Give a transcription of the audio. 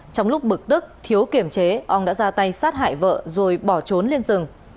trong lúc bực tức thiếu kiểm chế ông đã ra tay sát hại vợ rồi bỏ trốn lên rừng